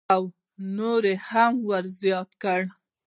او نور هم ورزیات کړو.